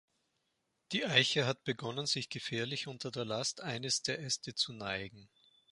Die Eiche hat begonnen, sich gefährlich unter der Last eines der Äste zu neigen.